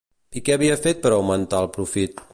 I què havia fet per augmentar el profit?